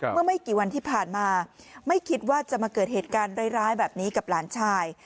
เมื่อไม่กี่วันที่ผ่านมาไม่คิดว่าจะมาเกิดเหตุการณ์ร้ายแบบนี้กับหลานชาย